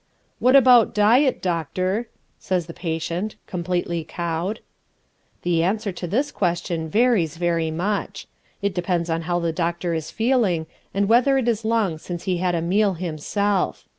"What about diet, doctor?" says the patient, completely cowed. The answer to this question varies very much. It depends on how the doctor is feeling and whether it is long since he had a meal himself.